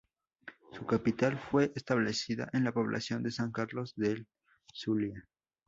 Su capital fue establecida en la población de San Carlos del Zulia.